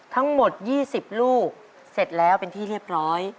ทั้งหมด๒๐ลูกเสร็จแล้วเป็นที่เรียบร้อย